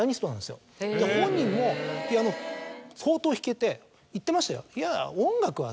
本人もピアノ相当弾けて言ってましたよ。